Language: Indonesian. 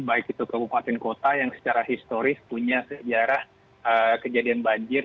baik itu kabupaten kota yang secara historis punya sejarah kejadian banjir